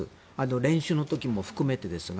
練習の時も含めてですが。